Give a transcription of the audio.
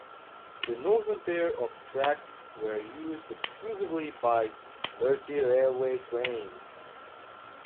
The northern pair of tracks were used exclusively by Mersey Railway trains.